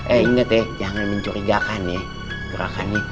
eh inget ya jangan mencurigakan ya gerakannya